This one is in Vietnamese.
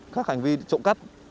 các hành vi trộm cắp